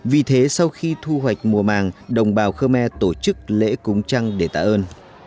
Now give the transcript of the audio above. vì thế sau khi thu hoạch mùa màng đồng bào khơ me tổ chức lễ cúng trăng để tạ ơn